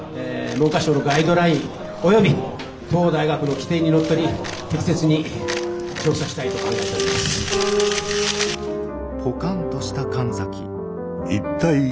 文科省のガイドライン及び当大学の規程にのっとり適切に調査したいと考えております。